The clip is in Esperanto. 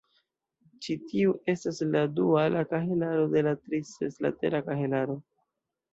Ĉi tiu estas la duala kahelaro de la tri-seslatera kahelaro.